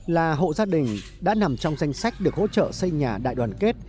là hộ gia đình đã nằm trong danh sách được hỗ trợ xây nhà đại đoàn kết